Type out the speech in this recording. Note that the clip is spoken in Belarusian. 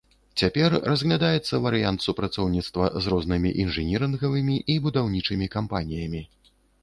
Цяпер разглядаецца варыянт супрацоўніцтва з рознымі інжынірынгавымі і будаўнічымі кампаніямі.